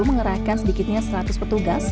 mengerahkan sedikitnya seratus petugas